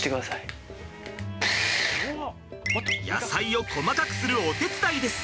野菜を細かくするお手伝いです。